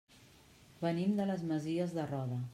Venim de les Masies de Roda.